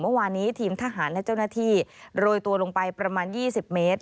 เมื่อวานนี้ทีมทหารและเจ้าหน้าที่โรยตัวลงไปประมาณ๒๐เมตร